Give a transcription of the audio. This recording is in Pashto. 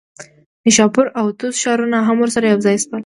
نیشاپور او طوس ښارونه هم ورسره یوځای شول.